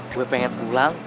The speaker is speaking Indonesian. gue pengen pulang